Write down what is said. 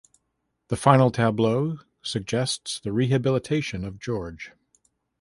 The final tableau suggests the rehabilitation of George.